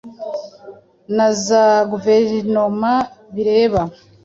na za guverinoma bireba".